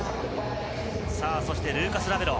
そしてルーカス・ラベロ。